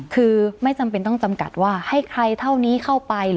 คือไม่จำเป็นต้องจำกัดว่าให้ใครเท่านี้เข้าไป